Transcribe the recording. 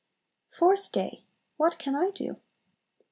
Fourth Day. What can I do?